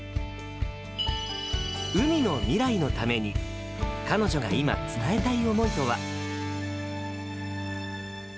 海の未来のために、彼女が今、伝えたい思いとは。